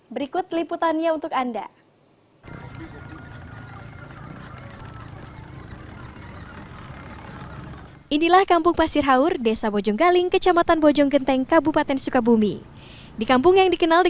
berikut liputannya untuk anda